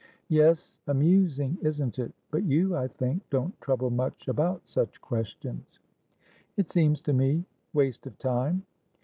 "Yes! Amusing, isn't it? But you, I think, don't trouble much about such questions." "It seems to me waste of time."